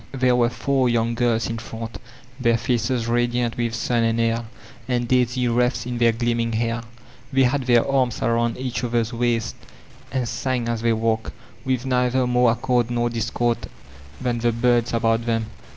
'' There were four young girls in front, their faces radiant with sun and air, and daisy wreaths in their gleaming hair; they had their arms around each other's waists and sang as they walked, with neither more accord nor discord than the birds about them.